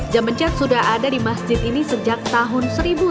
jam bencet sudah ada di masjid ini sejak tahun seribu delapan ratus lima puluh tujuh